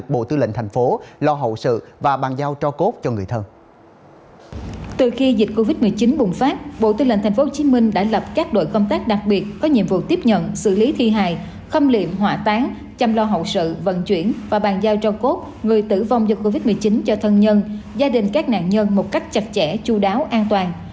bộ tư lệnh tp hcm đã lập các đội công tác đặc biệt có nhiệm vụ tiếp nhận xử lý thi hài khâm liệm hỏa tán chăm lo hậu sự vận chuyển và bàn giao cho cốt người tử vong do covid một mươi chín cho thân nhân gia đình các nạn nhân một cách chặt chẽ chú đáo an toàn